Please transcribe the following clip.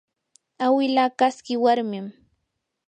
awila kaski warmim